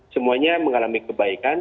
semuanya mengalami kebaikan